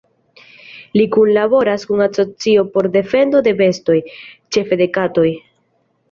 Li kunlaboras kun asocioj por defendo de bestoj, ĉefe de katoj.